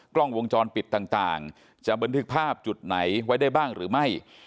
กล้องวงจรปิดต่างจะบันทึกภาพจุดไหนไว้ได้บ้างหรือไม่